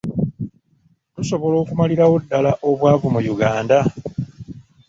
Tusobola okumalirawo ddaala obwavu mu Uganda?